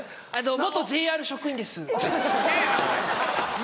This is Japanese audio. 元ＪＲ職員です。